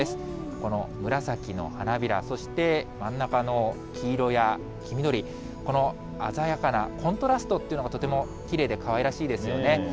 この紫の花びら、そして、真ん中の黄色や黄緑、この鮮やかなコントラストというのがとてもきれいでかわいらしいですよね。